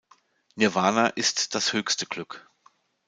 Nirwana ist das höchste Glück.